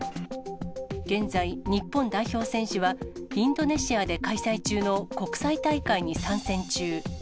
現在、日本代表選手はインドネシアで開催中の国際大会に参戦中。